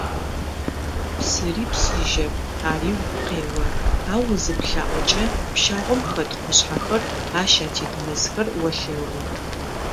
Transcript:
Псыри псыжьэп, ари угу къео, ау узыплъаӏокӏэ, пщагъом хэт къушъхьэхэр, ащ атет мэзхэр олъэгъу.